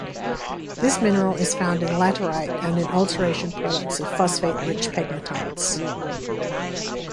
This mineral is found in laterite and in alteration products of phosphate rich pegmatites.